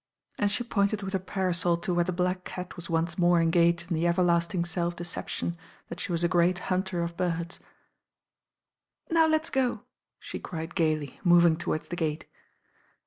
and she pointed with her parasol to where the black cat was once more engaged in the everlasting self^leception tftat she was a great hunter of birds. "Now let's go," she cried gaily, moving towards the gate.